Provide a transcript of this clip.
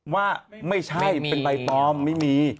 ว่าไม่ใช่เป็นใบปลอมไม่มี